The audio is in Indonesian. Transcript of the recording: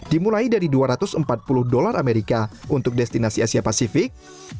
dimulai dari dua ratus empat puluh dolar amerika untuk destinasi asia pasifik